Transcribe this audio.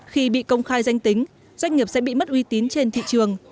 khi bị công khai danh tính doanh nghiệp sẽ bị mất uy tín trên thị trường